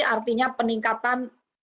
artinya peningkatan curah hujan semakin tinggi